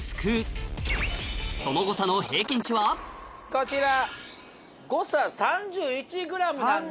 こちら。